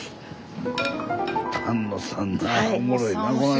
丹野さんなおもろいなこの人。